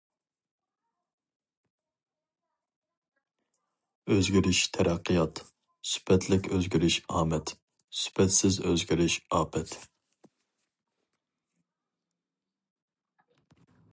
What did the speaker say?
ئۆزگىرىش تەرەققىيات. سۈپەتلىك ئۆزگىرىش ئامەت. سۈپەتسىز ئۆزگىرىش ئاپەت.